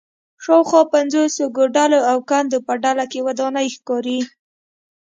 شاوخوا پنځوسو کوډلو او کندو په ډله کې ودانۍ ښکاري